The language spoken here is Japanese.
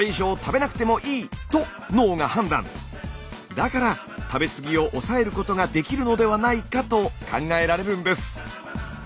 だから食べ過ぎを抑えることができるのではないかと考えられるんです。